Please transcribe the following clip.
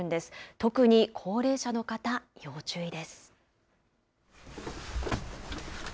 特に高齢者の方、要注意です。